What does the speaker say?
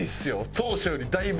当初よりだいぶ。